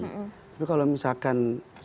tapi kalau misalkan seandainya muhammadiyah ingin